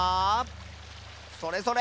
それそれ！